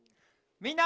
みんな。